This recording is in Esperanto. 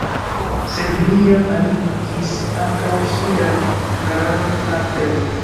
Sed mi jam alligis ankaŭ ŝian hararon al tero.